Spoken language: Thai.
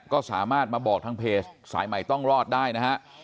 ก็สามารถมาบอกทางเพจสายใหม่ต้องรอดได้นะฮะ